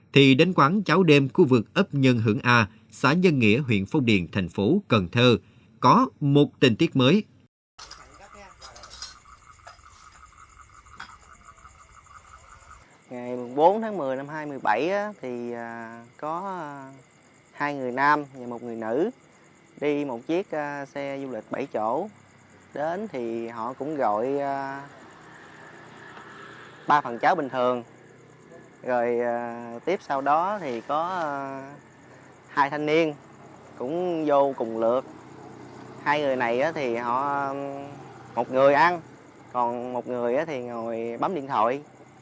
thì đến quán cháo đêm khu vực ấp nhân hưởng a xã nhân nghĩa huyện phong điền thành phố cần thơ có một tình tiết mới